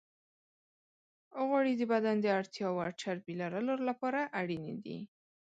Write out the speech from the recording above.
غوړې د بدن د اړتیا وړ چربی لرلو لپاره اړینې دي.